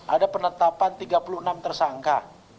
ada penetapan tiga puluh enam tersangka